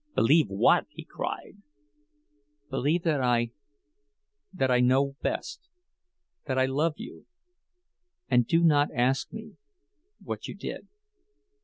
"Believe what?" he cried. "Believe that I—that I know best—that I love you! And do not ask me—what you did.